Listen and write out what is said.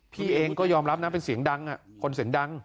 พี่เองก็ยอมรับนะเป็นเสียงดังคนเสียงดัง